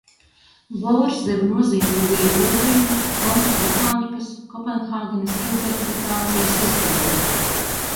Bors deva nozīmīgu ieguldījumu kvantu mehānikas Kopenhāgenas interpretācijas izveidē.